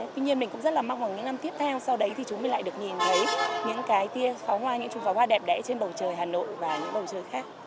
tuy nhiên mình cũng rất là mong những năm tiếp theo sau đấy thì chúng mình lại được nhìn thấy những cái pháo hoa những chú pháo hoa đẹp đẽ trên bầu trời hà nội và những bầu trời khác